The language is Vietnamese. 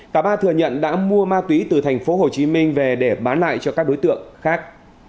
cả ba thừa nhận đã mua ma túy từ thành phố hồ chí minh về để bán lại cho các đối tượng khác